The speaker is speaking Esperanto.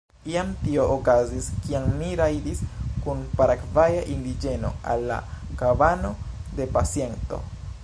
Iam tio okazis, kiam mi rajdis kun paragvaja indiĝeno al la kabano de paciento.